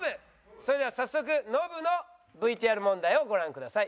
それでは早速ノブのＶＴＲ問題をご覧ください。